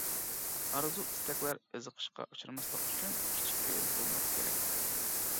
ئارزۇ-ئىستەكلەر ئېزىقىشقا ئۇچرىماسلىق ئۈچۈن، كىچىك پېئىل بولماق كېرەك.